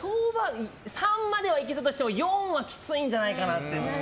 ３までは行けたとしても４はきついんじゃないかなって。